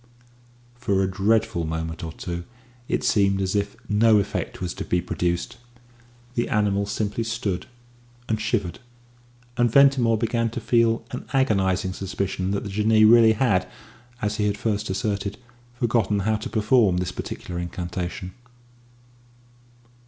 For a dreadful moment or two it seemed as if no effect was to be produced; the animal simply stood and shivered, and Ventimore began to feel an agonising suspicion that the Jinnee really had, as he had first asserted, forgotten how to perform this particular incantation.